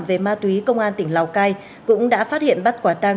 về ma túy công an tỉnh lào cai cũng đã phát hiện bắt quả tang